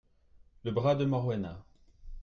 le bras de Morwena.